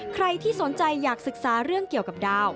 ใครที่สนใจอยากศึกษาเรื่องเกี่ยวกับดาว